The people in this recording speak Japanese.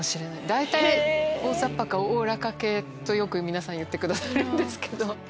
大体「大ざっぱ」か「おおらか系」とよく皆さん言ってくださるんですけど。